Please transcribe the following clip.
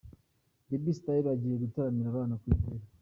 Baby Style agiye gutaramira abana kuri Noheli.